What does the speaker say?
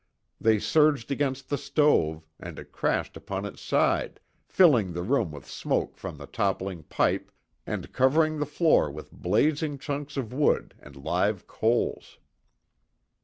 They surged against the stove, and it crashed upon its side, filling the room with smoke from the toppling pipe, and covering the floor with blazing chunks of wood and live coals.